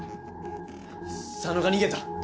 佐野が逃げた！